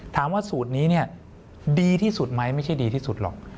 ถามว่าสูตรนี้เนี่ยดีที่สุดไหมไม่ใช่ดีที่สุดหรอก